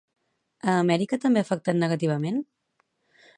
A Amèrica també ha afectat negativament?